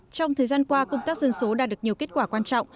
trong thời gian qua công tác dân số đã được nhiều kết quả quan trọng